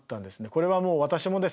これはもう私もですね